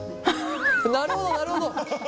なるほどなるほど。